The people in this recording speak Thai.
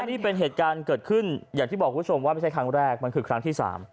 นี่เป็นเหตุการณ์เกิดขึ้นอย่างที่บอกคุณผู้ชมว่าไม่ใช่ครั้งแรกมันคือครั้งที่๓